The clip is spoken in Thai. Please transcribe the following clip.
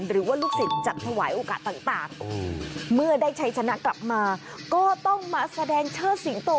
หรือว่าลูกศิษย์จะถวายโอกาสต่างเมื่อได้ชัยชนะกลับมาก็ต้องมาแสดงเชิดสิงโต